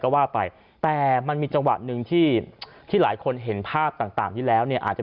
บางตัวที่รูมคนชื่อได้ตามนะครับ